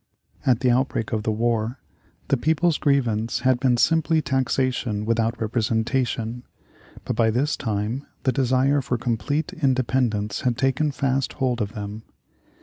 At the outbreak of the war the people's grievance had been simply taxation without representation, but by this time the desire for complete independence had taken fast hold of them.